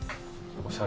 おしゃれ。